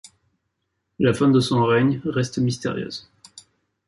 La fin de son règne reste mystérieuse.